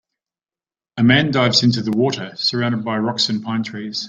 A man dives into the water surrounded by rocks and pine trees.